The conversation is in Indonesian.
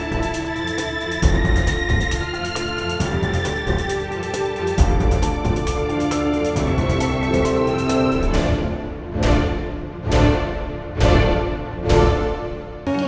saya sudah selesai mencari